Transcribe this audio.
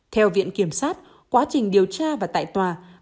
theo viện kiểm sát quá trình điều tra và tại tòa